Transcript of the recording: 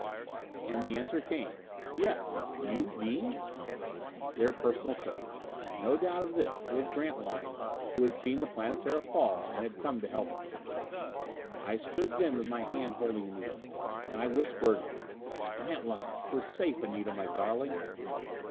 _" And the answer came. "Yes. You, Dean?" Their personal code. No doubt of this it was Grantline, who had seen the Planetara fall and had come to help us. I stood then with my hand holding Anita. And I whispered, "It's Grantline! We're safe, Anita, my darling!"